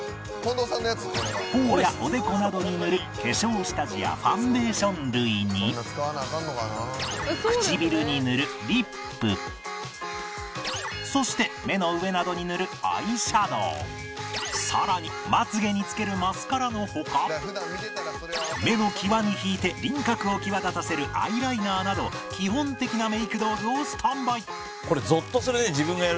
頬やおでこなどに塗る化粧下地やファンデーション類に唇に塗るリップそして目の上などに塗るアイシャドウ更にまつげにつけるマスカラの他目の際に引いて輪郭を際立たせるアイライナーなど基本的なメイク道具をスタンバイ